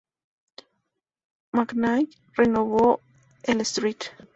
McKnight renovó el St.